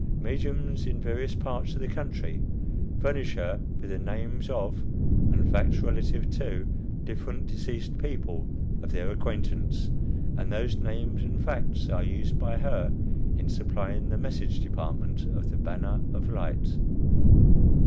Mediums in various parts of the country furnish her with the names of and facts relative to different deceased people of their acquaintance, and those names and facts are used by her in supplying the "Message Department" of the "Banner of Light."